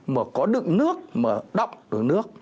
mà có đựng nước mà đọng